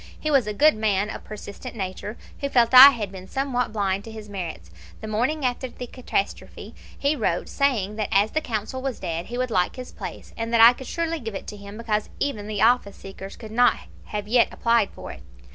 He was a good man, of persistent nature, who felt I had been somewhat blind to his merits. The morning after the catastrophe he wrote, saying that as the consul was dead he would like his place, and that I could surely give it to him, because "even the office seekers could not have applied for it yet!"